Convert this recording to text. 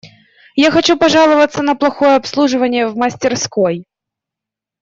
Я хочу пожаловаться на плохое обслуживание в мастерской.